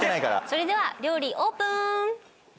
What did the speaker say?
それでは料理オープン！